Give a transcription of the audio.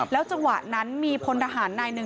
แล้วเจ้าหวัดนั้นมีผลทหารหน้านึง